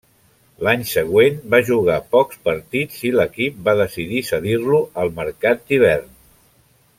L'any següent va jugar pocs partits i l'equip va decidir cedir-lo al mercat d'hivern.